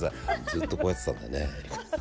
ずっとこうやってたんでね。